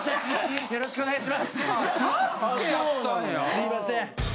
すいません。